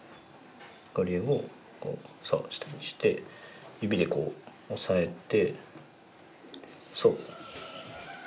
これをそう下にして指でこう押さえてそう。